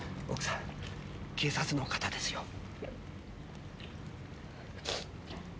奥さん警察の方ですよ。